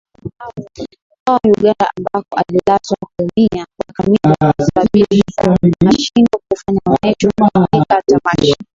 kwao Uganda ambako alilazwa Kuumia kwa Chameleone kulisababisha ashindwe kufanya onesho katika tamasha